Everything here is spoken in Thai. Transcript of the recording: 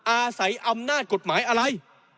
อาศัยอำนาจกฎหมายอะไร